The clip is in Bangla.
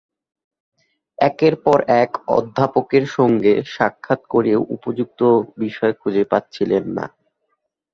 একের পর এক অধ্যাপকের সঙ্গে সাক্ষাৎ করেও উপযুক্ত বিষয় খুঁজে পাচ্ছিলেন না।